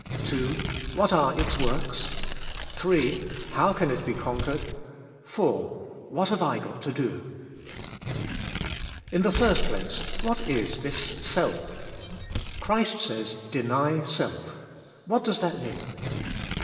2. What are its works? 3. How can it be conquered? 4. What have I g ot to do? In the first place what is this self? Christ says: deny self. What does that mean?